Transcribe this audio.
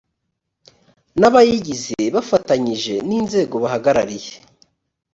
n abayigize bafatanyije n inzego bahagarariye